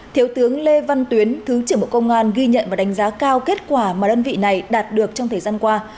thiếu tướng lê văn tuyến thứ trưởng bộ công an ghi nhận và đánh giá cao kết quả mà đơn vị này đạt được trong thời gian qua